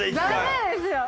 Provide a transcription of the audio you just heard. ダメですよ！